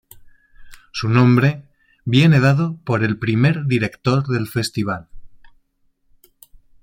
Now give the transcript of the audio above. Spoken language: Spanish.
Su nombre viene dado por el primer director del festival.